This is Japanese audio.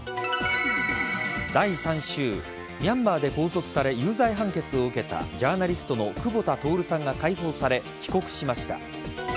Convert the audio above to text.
第３週ミャンマーで拘束され有罪判決を受けたジャーナリストの久保田徹さんが解放され帰国しました。